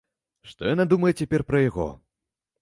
Што яна думае цяпер пра яго?